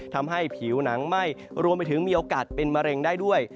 ทำให้ผิวหนังไหม้รวมไปถึงมีโอกาสเป็นมะเร็งได้ด้วย